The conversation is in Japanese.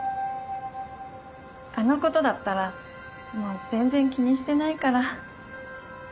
あのことだったらもう全然気にしてないから。